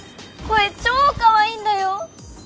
声ちょかわいいんだよ！